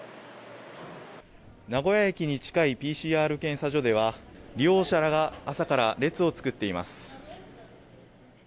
名古屋駅に近いＰＣＲ検査所では利用者らが朝から列を作っています。